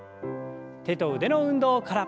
手と腕の運動から。